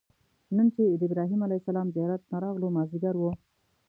نن چې د ابراهیم علیه السلام زیارت نه راغلو مازیګر و.